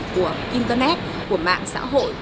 của internet của mạng xã hội